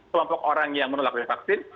kelompok orang yang menolak divaksin